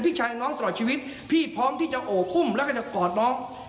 พี่ชายน้องตลอดชีวิตพี่พร้อมที่จะโอบอุ้มแล้วก็จะกอดน้อง